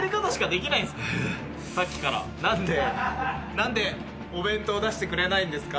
何でお弁当出してくれないんですか？